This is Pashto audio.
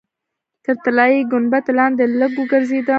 تر طلایي ګنبدې لاندې لږ وګرځېدم.